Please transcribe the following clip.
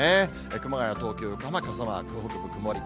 熊谷、東京、横浜、傘マーク、北部曇り。